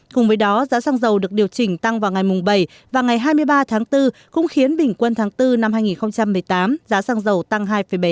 cùng với đó giá xăng dầu được điều chỉnh tăng vào ngày bảy và ngày hai mươi ba tháng bốn cũng khiến bình quân tháng bốn năm hai nghìn một mươi tám giá xăng dầu tăng hai bảy mươi